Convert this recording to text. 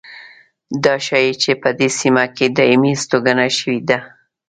دا ښيي چې په دې سیمه کې دایمي هستوګنه شوې ده.